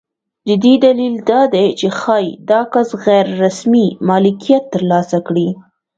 د دې دلیل دا دی چې ښایي دا کس غیر رسمي مالکیت ترلاسه کړي.